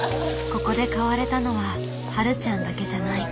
ここで変われたのははるちゃんだけじゃない。